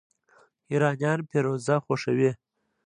ایرانیان فیروزه خوښوي.